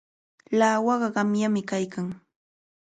Lawaqa qamyami kaykan.